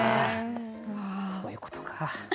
そういうことか。